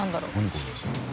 これ。